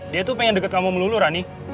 dia tuh pengen deket kamu melulu rani